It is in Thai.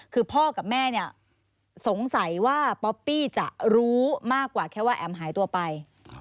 คือพ่อกับแม่เนี่ยสงสัยว่าป๊อปปี้จะรู้มากกว่าแค่ว่าแอ๋มหายตัวไป